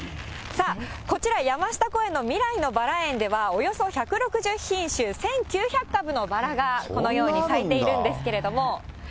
こちら、山下公園の未来のバラ園では、およそ１６０品種、１９００株のバラがこのように咲いているんですけれども。